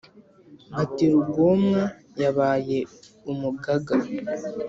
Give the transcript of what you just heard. Bati "Rugomwa yabaye umugaga,